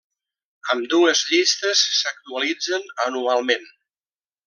Ambdues llistes s'actualitzen anualment.